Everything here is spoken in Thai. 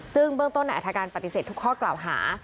ซึ่งเบื้องต้นนายอัฐการปฏิเสธทุกข้อกล่าวหา